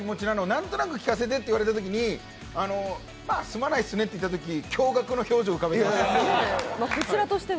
なんとなく聞かせて？って言われたときにまぁ、すまないっすねって言ったとき驚がくの表情を浮かべていました。